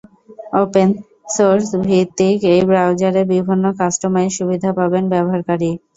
Open source ভিত্তিক এই ব্রাউজারে বিভিন্ন কাস্টোমাইজ সুবিধা পাবেন ব্যবহারকারী।